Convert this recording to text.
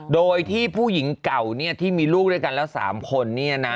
โดยที่ผู้หญิงเก่าเนี่ยที่มีลูกด้วยกันแล้วสามคนเนี่ยนะ